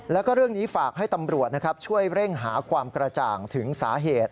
แล้วก็เรื่องนี้ฝากให้ตำรวจนะครับช่วยเร่งหาความกระจ่างถึงสาเหตุ